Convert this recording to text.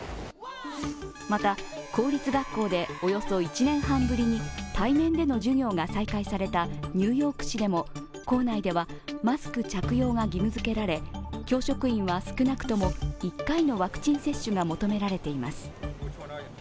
また公立学校でおよそ１年半ぶりに対面での授業が再開されたニューヨーク市でも校内ではマスク着用が義務付けられ、教職員は少なくとも１回のワクチン接種が求められています。